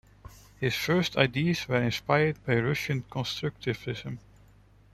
His first ideas were inspired by Russian constructivism.